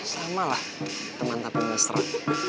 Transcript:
sama lah teman tapi gak serah